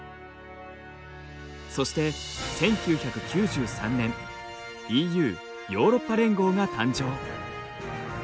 そして１９９３年ＥＵヨーロッパ連合が誕生。